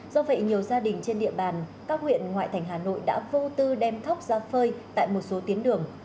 do vậy nhiều gia đình trên địa bàn các huyện ngoại thành hà nội đã vô tư đem thóc ra phơi tại một số tuyến đường